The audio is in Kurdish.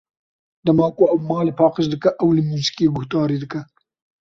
Dema ku ew malê paqij dike, ew li muzîkê guhdarî dike.